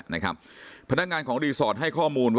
พี่สาวต้องเอาอาหารที่เหลืออยู่ในบ้านมาทำให้เจ้าหน้าที่เข้ามาช่วยเหลือ